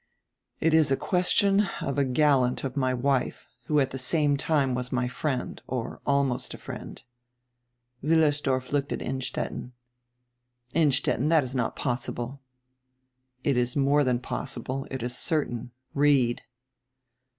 "It is a question of a gallant of my wife, who at die same time was my friend, or almost a friend." Wiillersdorf looked at Innstetten. "Instetten, tiiat is not possible." "It is more dian possible, it is certain. Read."